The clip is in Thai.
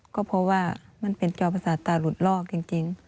ก็เพราะว่ามันเป็นจอมประสาทตาหลุดลอกจริง